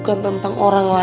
padahal gue vira